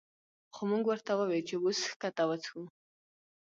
خو مونږ ورته ووې چې وس ښکته وڅښو